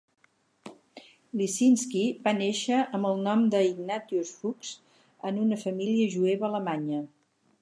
Lisinski va néixer amb el nom de Ignatius Fuchs en una família jueva alemanya.